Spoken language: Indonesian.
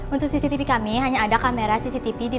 untuk cctv kami hanya ada kamar yang berada di bawah ini pak